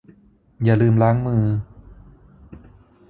อย่าลืมล้างมือ